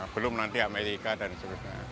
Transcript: belum nanti amerika dan sebagainya